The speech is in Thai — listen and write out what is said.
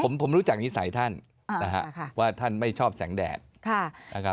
ผมรู้จักนิสัยท่านว่าท่านไม่ชอบแสงแดดนะครับ